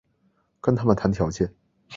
跟他们谈条件